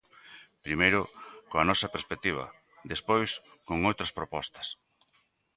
Primeiro coa nosa perspectiva, despois con outras propostas.